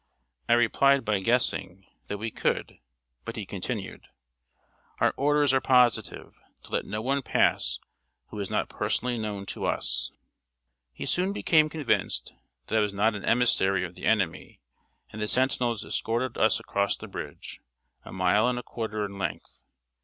I replied by "guessing" that we could; but he continued: "Our orders are positive, to let no one pass who is not personally known to us." He soon became convinced that I was not an emissary of the enemy; and the sentinels escorted us across the bridge, a mile and a quarter in length.